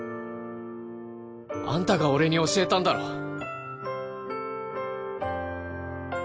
あんたが俺に教えたんだろ。